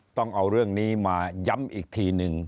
ต้องเอาเรื่องนี้มาย้ำอีกทีหนึ่ง